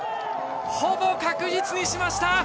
ほぼ確実にしました！